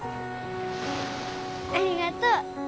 ありがとう。